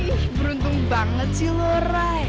ih beruntung banget sih lo ray